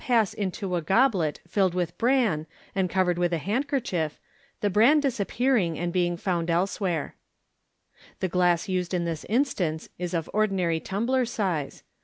385 Pass into a Goblct filled with Bran and covered with a Handkerchief, t^he Bran Disappearing, and being pound elsewhere. — The glass used in this instance is of ordinary tumbler size.